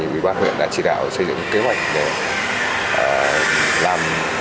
quý bác huyện đã chỉ đạo xây dựng kế hoạch để làm